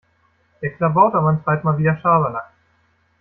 Der Klabautermann treibt mal wieder Schabernack.